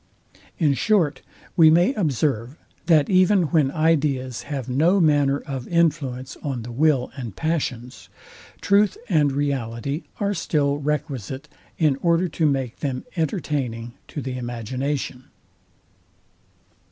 In short, we may observe, that even when ideas have no manner of influence on the will and passions, truth and reality are still requisite, in order to make them entertaining to the imagination.